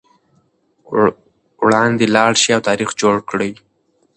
وړاندې لاړ شئ او تاریخ جوړ کړئ.